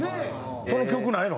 その曲ないの？